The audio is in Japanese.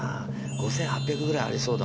５８００ぐらいありそうだもん。